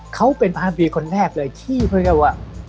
เขาเป็นภาพยาบาลคนแรกเลยที่พูดเรื่องว่า